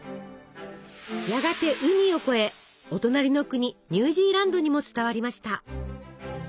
やがて海を越えお隣の国ニュージーランドにも伝わりました。